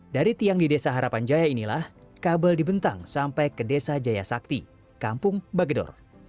dari tiang di desa harapan jaya inilah kabel dibentang sampai ke desa jaya sakti kampung bagedor